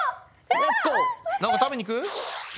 なんか食べに行く？